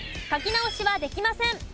書き直しはできません。